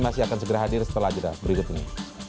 masih akan segera hadir setelah jeda berikut ini